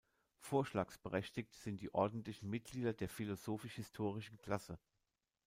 Vorschlagsberechtigt sind die ordentlichen Mitglieder der Philosophisch-historischen Klasse.